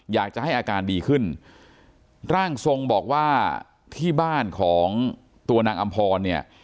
อยากจะให้อาการดีขึ้นร่างทรงบอกว่าที่บ้านของตัวนางอำพรเนี่ย